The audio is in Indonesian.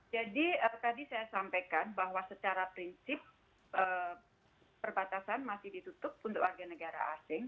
jadi tadi saya sampaikan bahwa secara prinsip perbatasan masih ditutup untuk warga negara asing